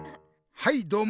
はいどうも！